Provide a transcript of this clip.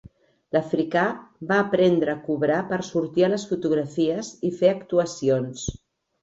L'africà va aprendre a cobrar per sortir a les fotografies i fer actuacions.